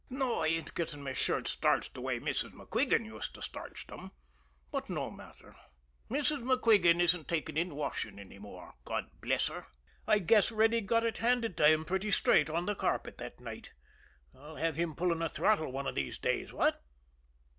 No; I ain't getting my shirts starched the way Mrs. MacQuigan used to starch them but no matter. Mrs. MacQuigan isn't taking in washing any more, God bless her! I guess Reddy got it handed to him pretty straight on the carpet that night. I'll have him pulling a throttle one of these days what?"